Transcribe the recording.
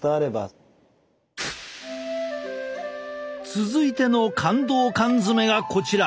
続いての感動缶詰がこちら。